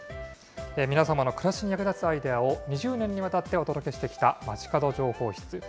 皆様の暮らしに役立つアイデアを２０年にわたってお届けしてきたまちかど情報室。